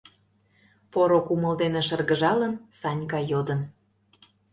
— поро кумыл дене шыргыжалын, Санька йодын.